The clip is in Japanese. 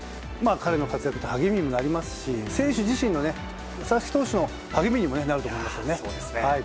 彼の活躍は励みになりますし選手自身も佐々木投手の励みにもなると思いますね。